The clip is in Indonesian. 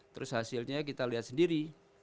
terus hasilnya kita lihat sendiri